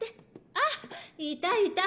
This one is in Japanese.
あいたいた。